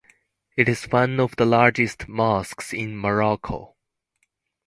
It is one of the largest mosques in Morocco.